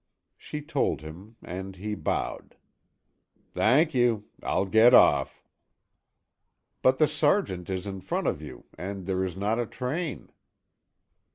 She told him and he bowed. "Thank you! I'll get off." "But the sergeant is in front of you and there is not a train."